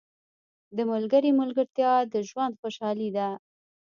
• د ملګري ملګرتیا د ژوند خوشحالي ده.